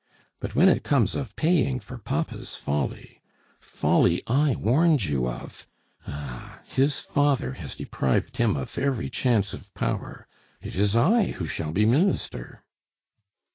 But when it comes of paying for papa's folly folly I warned you of! Ah! his father has deprived him of every chance of power. It is I who shall be Minister!"